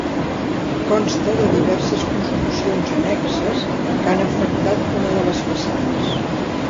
Consta de diverses construccions annexes que han afectat una de les façanes.